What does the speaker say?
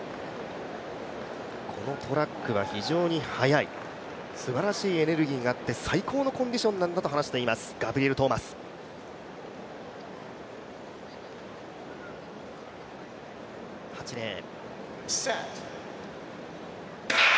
このトラックは非常に速い、すばらしいエネルギーがあって最高のコンディションなんだと話していますガブリエル・トーマス８レーン。